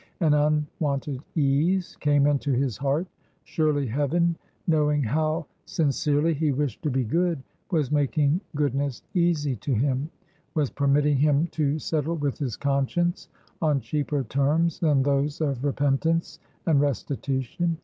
An unwonted ease came into his heart. Surely Heaven, knowing how sincerely he wished to be good, was making goodness easy to him,—was permitting him to settle with his conscience on cheaper terms than those of repentance and restitution.